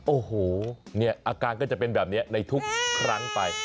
โอ้โหเนี่ยอาการก็จะเป็นแบบนี้ในทุกครั้งไป